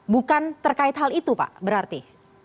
bukan terkait hal itu pak berarti